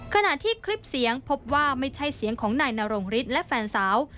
ขณะที่คลิปเสียงพบว่าไม่ใช่เสียงของนายนรงฤทธิ์และแฟนสาว